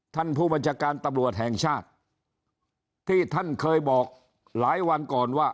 ท่านผู้บัญชาการตำรวจแห่งชาติที่ท่านเคยบอกหลายวันก่อนว่า